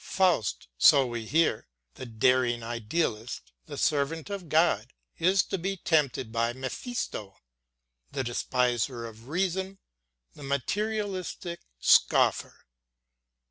Faust, so we hear, the daring idealist, the servant of God, is to be tempted by Mephisto, the despiser of reason, the materialistic scoffer.